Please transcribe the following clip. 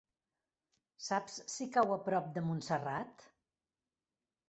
Saps si cau a prop de Montserrat?